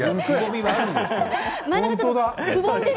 本当だ。